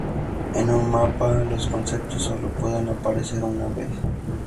En un mapa los conceptos solo pueden aparecer una vez.